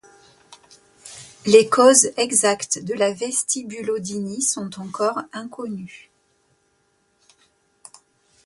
Les causes exactes de la vestibulodynie sont encore inconnues.